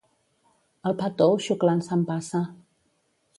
El pa tou xuclant s'empassa.